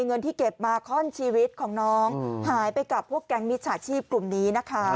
เงินที่เก็บมาข้อนชีวิตของน้องหายไปกับพวกแก๊งมิจฉาชีพกลุ่มนี้นะคะ